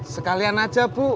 sekalian aja bu